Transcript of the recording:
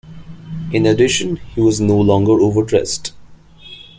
In addition he was no longer overdressed.